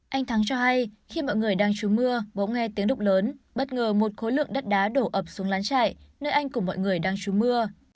anh thắng cho hay khi mọi người đang trú mưa bố nghe tiếng đục lớn bất ngờ một khối lượng đất đá đổ ập xuống lán chạy nơi anh cùng mọi người đang trú mưa